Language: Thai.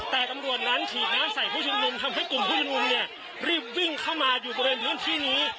แต่ตำรวจนั้นฉีดน้ำใส่ผู้ชุมนุมทำให้กลุ่มผู้ชุมนุมเนี่ยรีบวิ่งเข้ามาอยู่บริเวณพื้นที่นี้